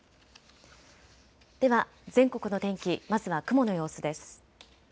では全国の天気、まずは雲の様子です。